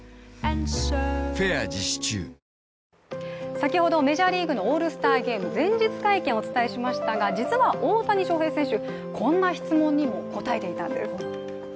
先ほどメジャーリーグのオールスターゲーム前日会見をお伝えしましたが、実は大谷翔平選手、こんな質問にも答えていたんです。